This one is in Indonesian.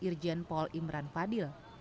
irjen paul imran fadil